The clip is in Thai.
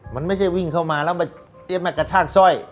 มันไม่ใช่วิ่งเข้ามาแล้วไปเตรียมแกตกับชาติสร้อย